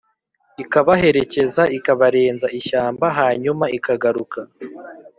ikabaherekeza, ikabarenza ishyamba, hanyuma ikagaruka